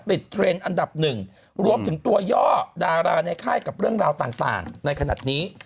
เทรนด์อันดับหนึ่งรวมถึงตัวย่อดาราในค่ายกับเรื่องราวต่างในขณะนี้